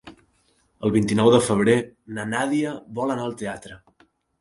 El vint-i-nou de febrer na Nàdia vol anar al teatre.